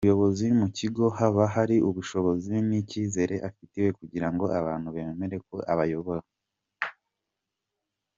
Umuyobozi mu kigo haba hari ubushobozi n’icyizere afitiwe kugirango abantu bemere ko abayobora.